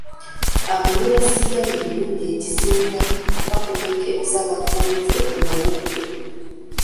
Abanywi ba sigala emirundi egisinga bakomekkereza bavunze amawuggwe.